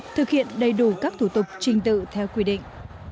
thực hiện đầy đủ các thủ tục trình tự theo quy định